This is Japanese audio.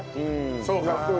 そうか。